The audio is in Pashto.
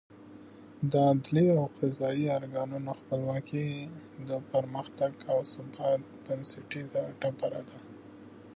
د عدلي او قضايي ارګانونو خپلواکي د پرمختګ او ثبات بنسټیزه ډبره ده.